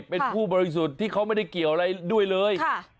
เป็นผู้บริสุทธิ์ที่เขาไม่ได้เกี่ยวอะไรด้วยเลย